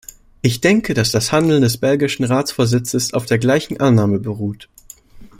Ich denke, dass das Handeln des belgischen Ratsvorsitzes auf der gleichen Annahme beruht.